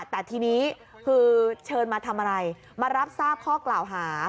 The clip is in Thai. แต่ทีนี้คือเชิญมาทำอะไรมารับทราบข้อกล่าวหา